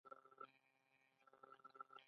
آیا د ایران پښتو راډیو اوریدونکي نلري؟